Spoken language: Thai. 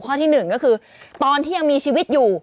ข้อที่๑ก็คือตอนที่ยังมีชีวิตอยู่